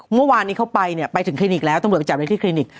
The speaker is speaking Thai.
เมื่อวานนี้เขาไปเนี่ยไปถึงคลินิกแล้วตำรวจไปจับได้ที่คลินิก